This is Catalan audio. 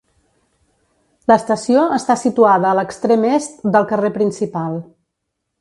L'estació està situada a l'extrem est del carrer principal.